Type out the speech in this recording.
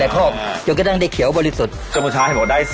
ก็จะต้องได้เขียวบริสุทธิ์